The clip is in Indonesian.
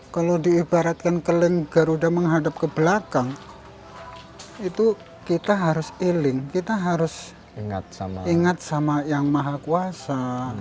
kalau diibaratkan keling garuda menghadap ke belakang itu kita harus ealing kita harus ingat sama yang maha kuasa